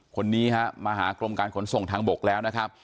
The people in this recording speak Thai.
คนนี้ฮะมาหากรมการขนส่งทางบกแล้วนะครับ